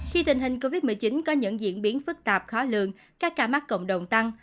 khi tình hình covid một mươi chín có những diễn biến phức tạp khó lường các ca mắc cộng đồng tăng